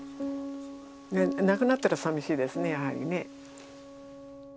なくなったらさみしいですねやはりね。